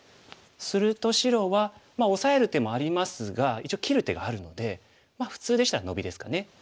すると白はオサえる手もありますが一応切る手があるので普通でしたらノビですかね。